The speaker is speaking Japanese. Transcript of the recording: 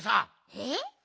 えっ？